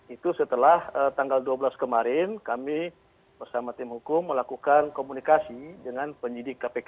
itu setelah tanggal dua belas kemarin kami bersama tim hukum melakukan komunikasi dengan penyidik kpk